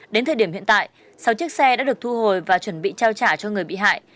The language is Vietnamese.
đến thời điểm hiện tại sáu chiếc xe đã được thu hồi và chuẩn bị trao trả cho người bị hại